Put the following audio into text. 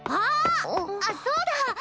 あっそうだ！